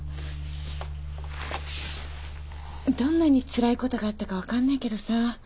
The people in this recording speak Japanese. どんなにつらいことがあったか分かんないけどさ